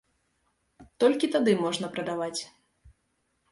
Толькі тады можна прадаваць.